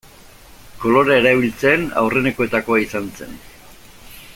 Kolorea erabiltzen aurrenekoetakoa izan zen.